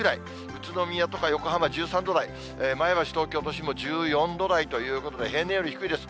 宇都宮とか横浜１３度台、前橋、東京都心も１４度台ということで、平年より低いです。